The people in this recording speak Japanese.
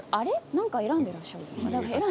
何か選んでいらっしゃる。